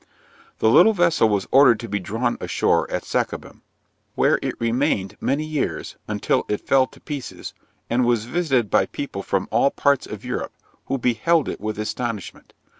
'The little vessel was ordered to be drawn ashore at Sacabem, where it remained many years (until it fell to pieces), and was visited by people from all parts of Europe, who beheld it with astonishment.